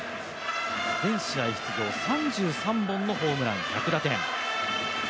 全試合出場、３３本のホームラン１００打点。